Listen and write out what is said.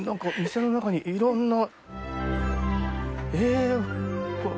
店の中に、いろんな。